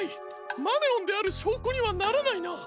マネオンであるしょうこにはならないな。